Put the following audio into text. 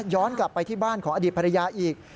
ย้อนกลับไปที่บ้านของอดีตภรรยาอีก